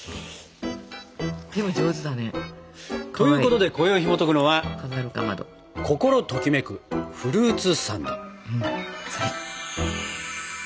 でも上手だね。ということでこよいひもとくのは「心ときめくフルーツサンド」。